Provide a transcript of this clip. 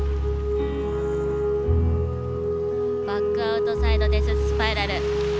バック・アウトサイド・デススパイラル。